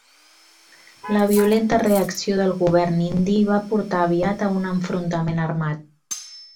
La violenta reacció del govern indi va portar aviat a un enfrontament armat.